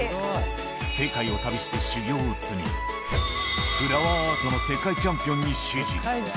世界を旅して修業を積み、フラワーアートの世界チャンピオンに師事。